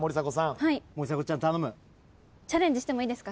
チャレンジしてもいいですか？